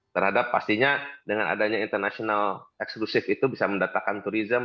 terhadap pastinya dengan adanya international exclusive itu bisa mendatakan turisme